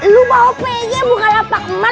lu bawa p i g bukanlah pak mal